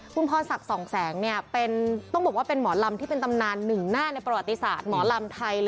คุณพรศักดิ์สองแสงต้องบอกว่าเป็นหมอลำที่เป็นตำนานหนึ่งหน้าในประวัติศาสตร์หมอลำไทย